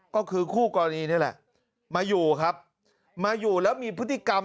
ก็คือคู่กรณีนี่แหละมาอยู่ครับมาอยู่แล้วมีพฤติกรรม